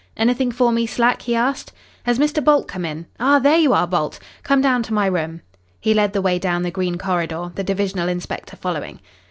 "Anything for me, Slack?" he asked. "Has Mr. Bolt come in? Ah, there you are, Bolt. Come down to my room." He led the way down the green corridor, the divisional inspector following.